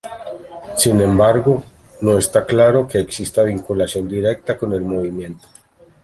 Sin embargo, no está claro que exista vinculación directa con el movimiento.